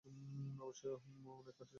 অবশ্য মনের কার্যই চিন্তা করা।